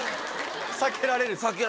さけられる？